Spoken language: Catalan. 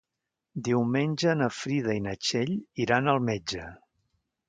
Diumenge na Frida i na Txell iran al metge.